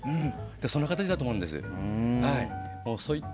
その形だと思うんです。